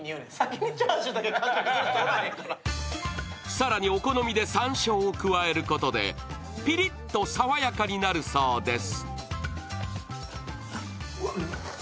更にお好みでさんしょうを加えることでピリッと爽やかになるそうです。